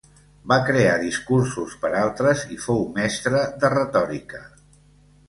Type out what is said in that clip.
Va crear discursos per altres i fou mestre de retòrica.